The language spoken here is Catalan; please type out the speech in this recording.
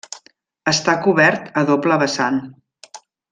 Està cobert a doble vessant.